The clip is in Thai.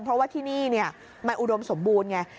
เพราะว่าที่นี่มันอุดมสมบูรณ์ไง